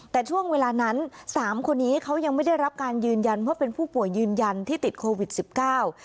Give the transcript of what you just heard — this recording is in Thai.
แต่ช่วงเวลานั้นสามคนนี้เขายังไม่ได้รับการยืนยันว่าเป็นผู้ป่วยยืนยันที่ติดโควิดสิบเก้า